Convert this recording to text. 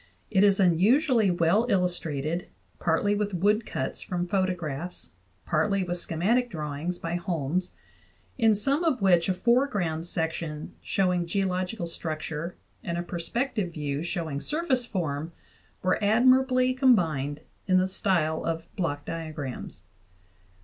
It is unusually well illustrated, partly with wood cuts from photographs, partly with schematic drawings by Holmes, in some of which a fore ground section showing geological structure and a perspective view showing surface form were admirably combined in the style of block diagrams.